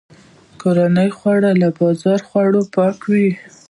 کورني خواړه له بازاري خوړو پاک وي.